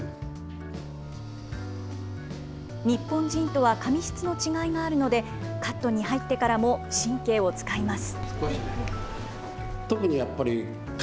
日本人とは髪質の違いがあるのでカットに入ってからも神経を使います。